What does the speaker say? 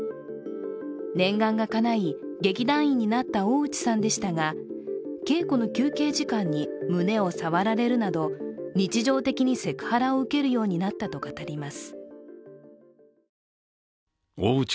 念願がかない劇団員になった大内さんでしたが稽古の休憩時間に胸を触られるなど日常的にセクハラを受けるようになったと語ります。